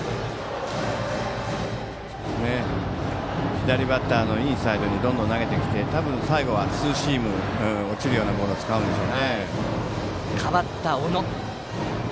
左バッターのインサイドにどんどん投げてきて最後はツーシームなど落ちるようなボールをピッチャーは代わった小野。